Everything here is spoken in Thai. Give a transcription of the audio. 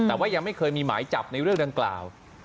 แต่ว่ายังไม่เคยมีหมายจับในเรื่องดังกล่าว